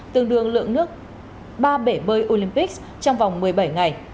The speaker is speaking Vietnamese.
tương đương lượng nước ba bể bơi olympic trong vòng một mươi bảy ngày